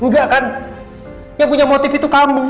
enggak kan yang punya motif itu kamu